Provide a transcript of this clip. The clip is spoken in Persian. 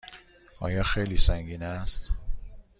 آیا خیلی سنگین است؟